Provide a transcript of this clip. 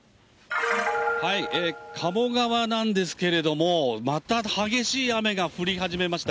鴨川なんですけれども、また激しい雨が降り始めました。